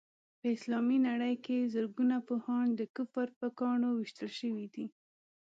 په اسلامي نړۍ کې زرګونه پوهان د کفر په ګاڼو ويشتل شوي دي.